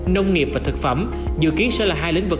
nông nghiệp và thực phẩm dự kiến sẽ là hai lĩnh vực